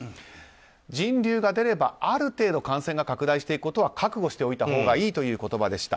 人流が出ればある程度感染が拡大していくことは覚悟しておいたほうがいいという言葉でした。